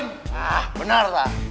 nah benar pak